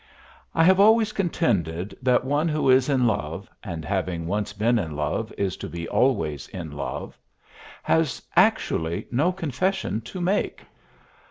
I have always contended that one who is in love (and having once been in love is to be always in love) has, actually, no confession to make.